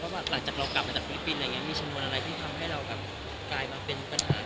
หรือว่าหลังจากเรากลับมาจากปริศนียปริศนียมีชนวนอะไรที่ทำให้เรากลายมาเป็นปัญหา